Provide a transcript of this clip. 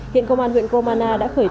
hiện công an huyện gromana đã khởi tố